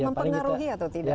mempengaruhi atau tidak